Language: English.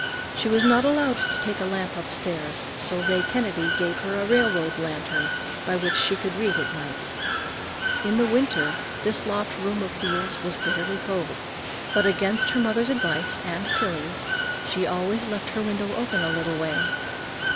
She was not allowed to take a lamp upstairs, so Ray Kennedy gave her a railroad lantern by which she could read at night. In winter this loft room of Thea's was bitterly cold, but against her mother's advice—and Tillie's—she always left her window open a little way.